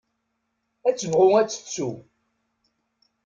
Ad tebɣu ad tettu.